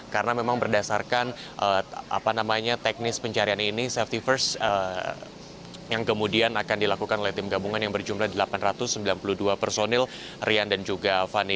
karena memang berdasarkan teknis pencarian ini safety first yang kemudian akan dilakukan oleh tim gabungan yang berjumlah delapan ratus sembilan puluh dua personil rian dan juga fani